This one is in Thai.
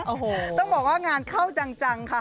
โอ้โหต้องบอกว่างานเข้าจังค่ะ